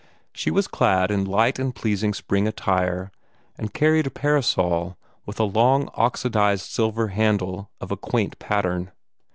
She was clad in light and pleasing spring attire, and carried a parasol with a long oxidized silver handle of a quaint pattern.